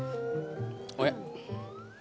おや？